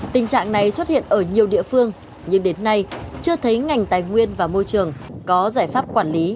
tình trạng này xuất hiện ở nhiều địa phương nhưng đến nay chưa thấy ngành tài nguyên và môi trường có giải pháp quản lý